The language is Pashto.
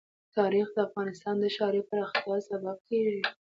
تاریخ د افغانستان د ښاري پراختیا سبب کېږي.